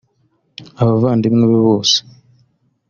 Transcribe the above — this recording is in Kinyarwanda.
Abavandimwe be bose